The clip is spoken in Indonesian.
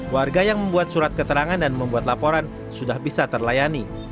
warga yang membuat surat keterangan dan membuat laporan sudah bisa terlayani